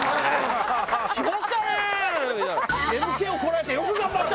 「眠気をこらえてよく頑張った！」